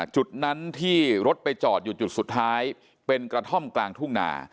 จุดนั้นที่รถไปจอดอยู่จุดสุดท้ายเป็นกระท่อมกลางทุ่งนา